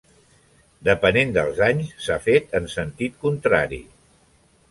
Depenent dels anys, s'ha fet en sentit contrari.